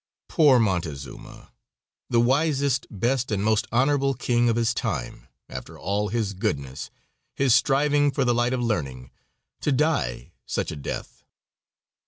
Poor Montezuma! the wisest, best and most honorable King of his time, after all his goodness, his striving for the light of learning, to die such a death.